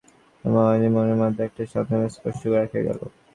নলিনাক্ষ চলিয়া গেল, কিন্তু হেমনলিনীর মনের মধ্যে একটা সান্ত্বনার স্পর্শ রাখিয়া গেল।